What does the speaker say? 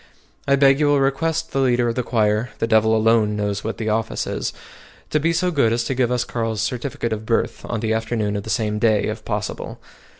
I beg you will request the leader of the choir (the devil alone knows what the office is!) to be so good as to give us Carl's certificate of birth on the afternoon of the same day if possible.